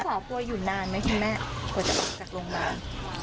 รักษาปัวอยู่นานไหมคุณแม่ตัวเข้าจัดรักษาโรงพยาบาล